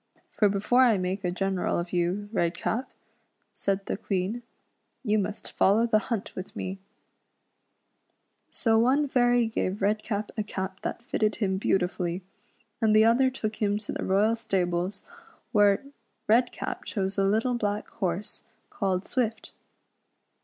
For before I make a general of you, Redcap," said the Queen, " you must follow the hunt with me:" So one fairy gave Redcap a cap that fitted him beautifully, and the other took him to the royal stables where Redcap chose a little black horse, called Swift.